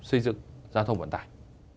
xây dựng giao thông vận tải